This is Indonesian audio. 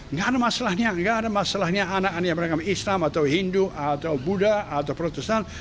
nggak ada masalahnya nggak ada masalahnya anak anak yang beragam islam atau hindu atau buddha atau protestan